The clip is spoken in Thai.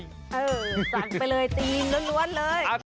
เออสั่งไปเลยตีนล้วนเลย